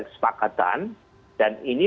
kesepakatan dan ini